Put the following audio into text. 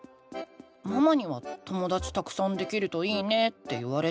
ママには「ともだちたくさんできるといいね」って言われたけど。